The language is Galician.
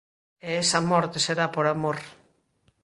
E esa morte será por amor.